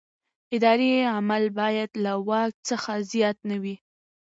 اداري عمل باید له واک څخه زیات نه وي.